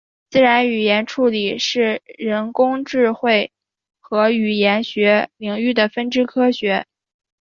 自然语言处理是人工智慧和语言学领域的分支学科。